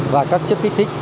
và các chất kích thích